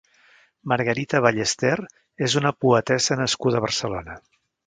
Margarita Ballester és una poetessa nascuda a Barcelona.